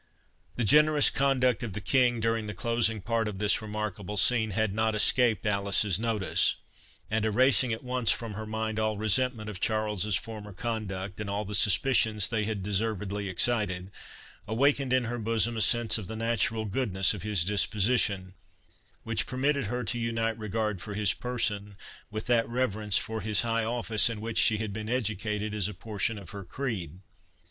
The generous conduct of the King during the closing part of this remarkable scene, had not escaped Alice's notice; and, erasing at once from her mind all resentment of Charles's former conduct, and all the suspicions they had deservedly excited, awakened in her bosom a sense of the natural goodness of his disposition, which permitted her to unite regard for his person, with that reverence for his high office in which she had been educated as a portion of her creed.